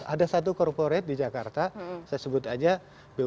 ada satu corporate di jakarta saya sebut aja bumn